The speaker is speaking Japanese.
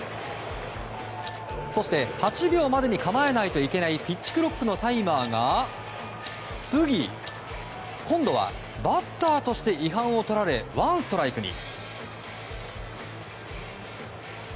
そして８秒までに構えないといけないピッチクロックのタイマーが過ぎ今度はバッターとして違反を取られワンストライクに。